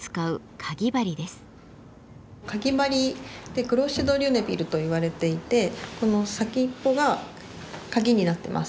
かぎ針でクロシェ・ド・リュネビルといわれていてこの先っぽがかぎになってます。